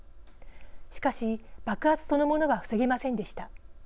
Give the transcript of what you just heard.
しかし爆発そのものは防げませんでした。